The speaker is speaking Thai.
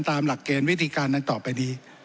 ตามหลักเกณฑ์วิธีการดังต่อไปดี